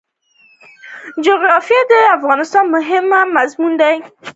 جلغوزي د خوست او پکتیا تور طلایی دي.